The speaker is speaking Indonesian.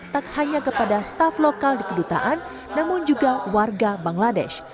tak hanya kepada staff lokal di kedutaan namun juga warga bangladesh